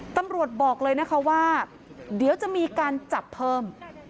ตำรวจบอกเลยนะคะว่าเดี๋ยวจะมีการจับเพิ่ม